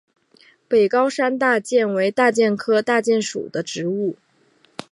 北高山大戟为大戟科大戟属的植物。